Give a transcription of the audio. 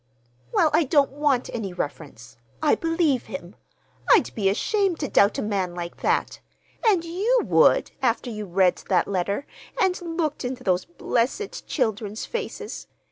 "Well, I don't want any reference. I believe him. I'd be ashamed to doubt a man like that! And you would, after you read that letter, and look into those blessed children's faces.